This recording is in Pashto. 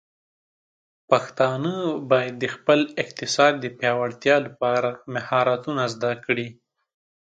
پښتانه بايد د خپل اقتصاد د پیاوړتیا لپاره مهارتونه زده کړي.